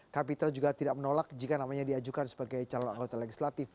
kapitra juga tidak menolak jika namanya diajukan sebagai calon anggota legislatif